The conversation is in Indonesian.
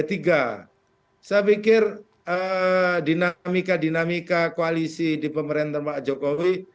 saya pikir dinamika dinamika koalisi di pemerintahan pak jokowi